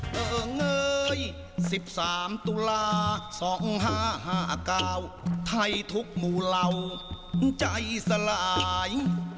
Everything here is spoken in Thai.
เกิงเกยสิบสามตุลาสองห้าห้าเก้าไทยทุกหมู่เหล่าใจสลาย